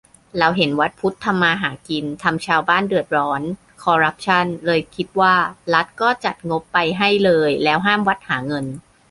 เราเห็นวัดพุทธทำมาหากิน ทำชาวบ้านเดือดร้อน คอรัปชั่น เลยคิดว่า รัฐก็จัดงบไปให้เลย แล้วห้ามวัดหาเงิน